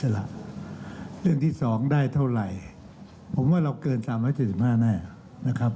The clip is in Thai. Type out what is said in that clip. เรื่องที่๒ได้เท่าไหร่ผมว่าเราเกิน๓๔๕แน่นะครับ